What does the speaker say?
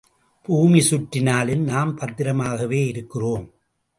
பூமி சுற்றினாலும், நாம் பத்திரமாகவே இருக்கிறோம்.